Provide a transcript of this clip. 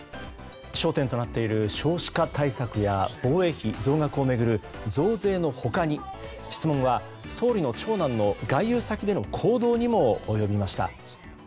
焦点となっている少子化対策や防衛費増額を巡る増税の他に質問は総理の長男の外遊先での行動にも及びました。